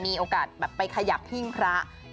มีโอกาสแบบไปขยับหิ้งพระ